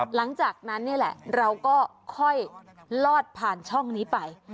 หลังจากนั้นนี่แหละเราก็ค่อยลอดผ่านช่องนี้ไป